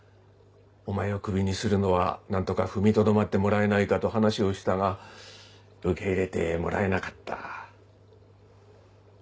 お前をクビにするのは何とか踏みとどまってもらえないかと話をしたが受け入れてもらえなかった。